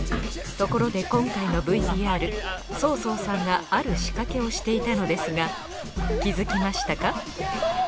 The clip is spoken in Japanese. ところで今回のＶＴＲＳＯ−ＳＯさんがある仕掛けをしていたのですが気づきましたか？